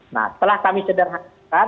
nah setelah kami sederhanakan